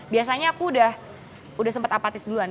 biasanya aku udah sempat apatis duluan